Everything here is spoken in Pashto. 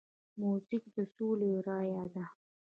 موزیک د سولې رایه ده.